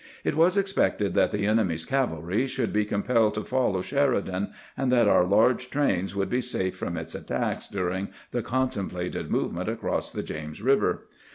It was expected that the enemy's cavalry would be compelled to follow Sheridan, and that our large trains would be safe from its attacks during the contemplated movement across the James Eiver.